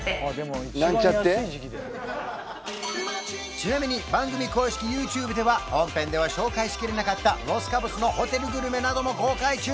ちなみに番組公式ＹｏｕＴｕｂｅでは本編では紹介しきれなかったロス・カボスのホテルグルメなども公開中！